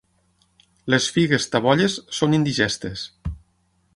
Les figues tabolles són indigestes.